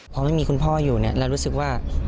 พอไม่มีคุณพ่ออยู่เนี่ยเรารู้สึกว่า